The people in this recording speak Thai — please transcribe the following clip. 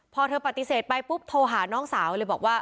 พอเธอปฏิเสธไปปุ๊บโทรหาน้องสาวเลยบอกว่า